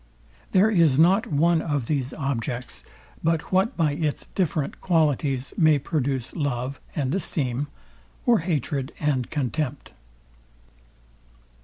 There is not one of these objects, but what by its different qualities may produce love and esteem, or hatred and contempt.